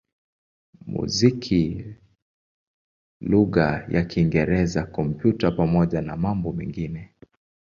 muziki lugha ya Kiingereza, Kompyuta pamoja na mambo mengine.